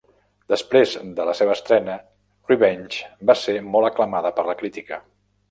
Després de la seva estrena, "Revenge" va ser molt aclamada per la crítica.